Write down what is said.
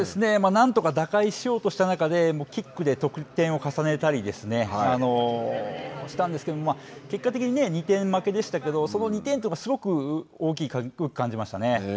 なんとか打開しようとした中でキックで得点を重ねたりしたんですけど結果的に２点負けでしたけど、その２点というのがすごく大きく感じましたね。